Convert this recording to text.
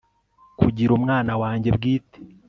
kugira umwana wanjye bwite